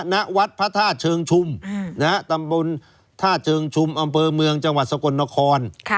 ณวัดพระธาตุเชิงชุมตำบลท่าเชิงชุมอำเภอเมืองจังหวัดสกลนคร